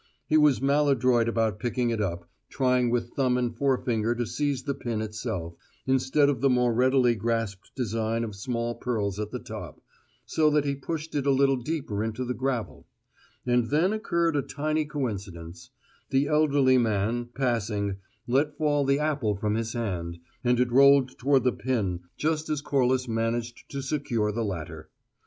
He was maladroit about picking it up, trying with thumb and forefinger to seize the pin itself, instead of the more readily grasped design of small pearls at the top, so that he pushed it a little deeper into the gravel; and then occurred a tiny coincidence: the elderly man, passing, let fall the apple from his hand, and it rolled toward the pin just as Corliss managed to secure the latter.